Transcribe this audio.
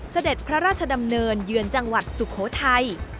เสด็จพระราชดำเนินเยือนจังหวัดสุโขทัย